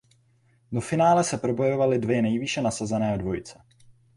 Do finále se probojovaly dvě nejvýše nasazené dvojice.